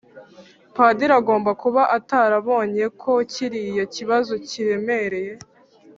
Padiri agomba kuba atarabonye ko kiriya kibazo kiremereye.